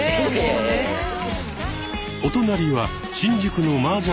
お隣は新宿のマージャン店員。